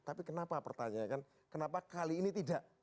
tapi kenapa pertanyaan kan kenapa kali ini tidak